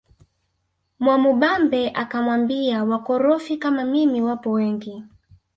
Mwamubambe akamwambia wakorofi kama mimi wapo wengi